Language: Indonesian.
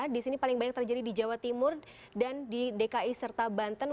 di sini paling banyak terjadi di jawa timur dan di dki serta banten